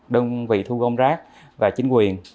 đơn vị thu gom rác và chính quyền